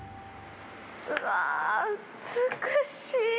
うわー、美しい。